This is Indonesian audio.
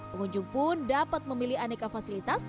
pengunjung pun dapat memilih aneka fasilitas